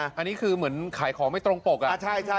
อันนี้คือเหมือนขายของไม่ตรงปก